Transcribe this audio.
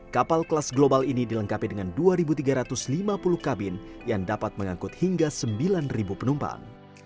kapal kelas global ini dilengkapi dengan dua tiga ratus lima puluh kabin yang dapat mengangkut hingga sembilan penumpang